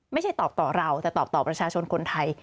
ไม่ใช่ตอบต่อเราแต่ตอบต่อประชาชนคนไทย